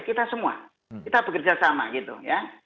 kita semua kita bekerja sama gitu ya